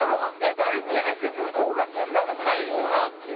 タイプじゃないですけど向こうがそんなでもないかなっていう。